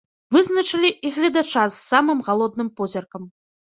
Вызначылі і гледача з самым галодным позіркам.